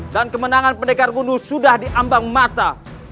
dan kemenangan pendekar gundul sudah diambang mata